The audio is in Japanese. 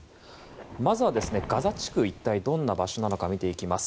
まず、ガザ地区一帯がどんな場所なのか見ていきます。